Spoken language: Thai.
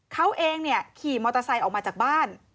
เขาเองเนี่ยขี่มอเตอร์ไซค์ออกมาจากบ้าน